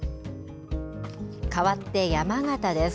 かわって山形です。